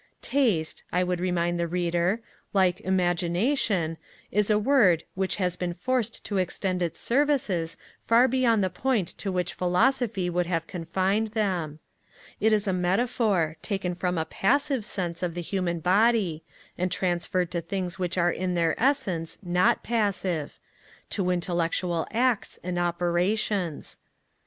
TASTE, I would remind the reader, like IMAGINATION, is a word which has been forced to extend its services far beyond the point to which philosophy would have confined them. It is a metaphor, taken from a passive sense of the human body, and transferred to things which are in their essence not passive, to intellectual acts and operations.